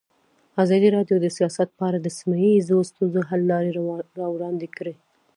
ازادي راډیو د سیاست په اړه د سیمه ییزو ستونزو حل لارې راوړاندې کړې.